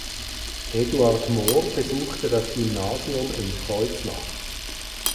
Eduard Mohr besuchte das Gymnasium in Kreuznach.